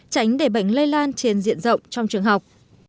tránh để bệnh lây lan trên diện rộng trong trường học